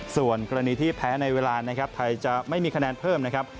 ส่วนกรณีที่แพ้ในเวลานะครับไทยจะไม่มีคะแนนเพิ่มนะครับ